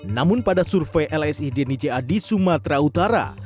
namun pada survei lsidnija di sumatera utara